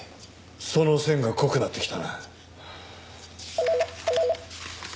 その線が濃くなってきたな。